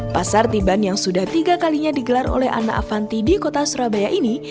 pasar tiban yang sudah tiga kalinya digelar oleh anna avanti di kota surabaya ini